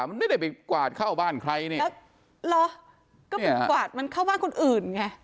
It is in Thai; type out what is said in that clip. มันไม่ได้ไปกวาดเข้าบ้านใครนี่แล้วเหรอก็ไปกวาดมันเข้าบ้านคนอื่นไง